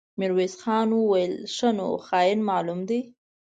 ميرويس خان وويل: ښه نو، خاين معلوم دی.